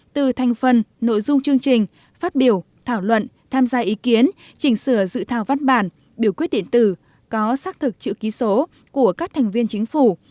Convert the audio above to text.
từ thành phần nội dung chương trình phát biểu thảo luận tham gia ý kiến chỉnh sửa dự thảo văn bản biểu quyết điện tử có xác thực chữ ký số của các thành viên chính phủ